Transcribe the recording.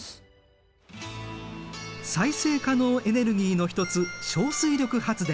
再生可能エネルギーの一つ小水力発電。